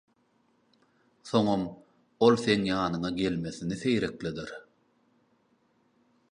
Soňam ol seň ýanyňa gelmesini seýrekleder.